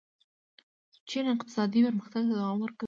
چین اقتصادي پرمختګ ته دوام ورکوي.